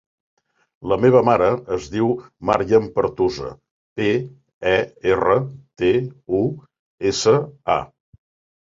La meva mare es diu Maryam Pertusa: pe, e, erra, te, u, essa, a.